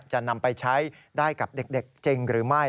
จะนำไปใช้ได้กับเด็กจริงหรือไม่